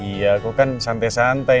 iya aku kan santai santai